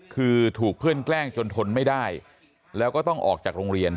คือถูกเพื่อนแกล้งจนทนไม่ได้แล้วก็ต้องออกจากโรงเรียน